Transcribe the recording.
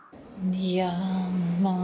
いやまあ。